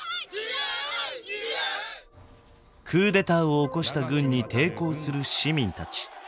クーデターを起こした軍に抵抗する市民たち。